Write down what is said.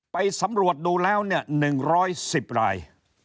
ไปสำรวจดูแล้วเนี่ย๑๑๐ลาย